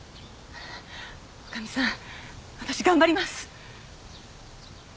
女将さん私頑張ります！